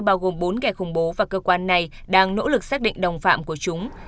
bao gồm bốn kẻ khủng bố và cơ quan này đang nỗ lực xác định đồng phạm của chúng